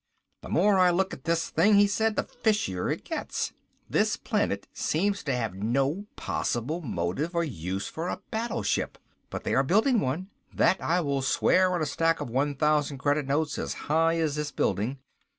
"The more I look at this thing," he said, "the fishier it gets. This planet seems to have no possible motive or use for a battleship. But they are building one that I will swear on a stack of one thousand credit notes as high as this building.